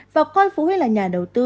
và coi phụ huynh là nhà đầu tư